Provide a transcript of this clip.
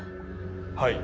はい。